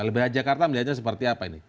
lbh jakarta melihatnya seperti apa ini